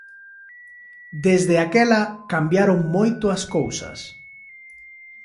Desde aquela cambiaron moito as cousas.